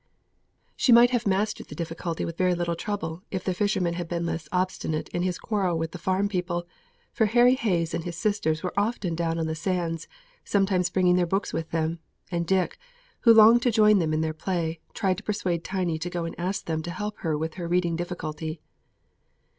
She might have mastered the difficulty with very little trouble if the fisherman had been less obstinate in his quarrel with the farm people, for Harry Hayes and his sisters were often down on the sands, sometimes bringing their books with them, and Dick, who longed to join them in their play, tried to persuade Tiny to go and ask them to help her with the reading difficulty.